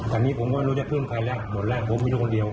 แต่นี่ผมก็ไม่รู้ได้เพื่อนใครแล้วหมดแล้วผมไม่รู้คนเดียว